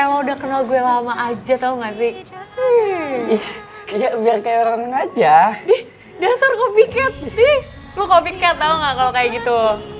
ih lu copycat tau gak kalo kayak gitu